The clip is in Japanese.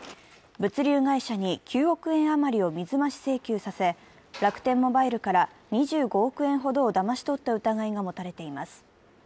物流会社に９億円余りを水増し請求させ、楽天モバイルから２５億円ほどをだまし取った疑いが持たれています。